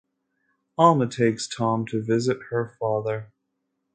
Alma takes Tom to visit her father.